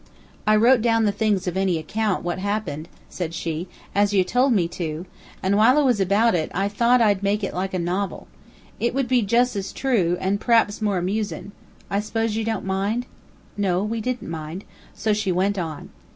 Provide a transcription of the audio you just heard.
"I wrote down the things of any account what happened," said she, "as you told me to, and while I was about it, I thought I'd make it like a novel. It would be jus' as true, and p'r'aps more amusin'. I suppose you don't mind?" No, we didn't mind. So she went on.